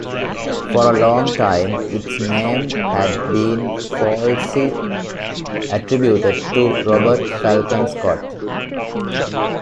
For a long time, its name had been falsely attributed to Robert Falcon Scott.